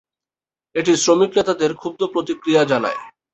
এটি শ্রমিক নেতাদের ক্ষুব্ধ প্রতিক্রিয়া জানায়।